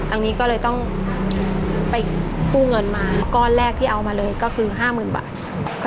อันนี้ก็เลยต้องไปกู้เงินมาก้อนแรกที่เอามาเลยก็คือ๕๐๐๐บาท